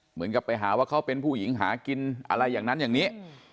เหมือนกับไปหาว่าเขาเป็นผู้หญิงหากินอะไรอย่างนั้นอย่างนี้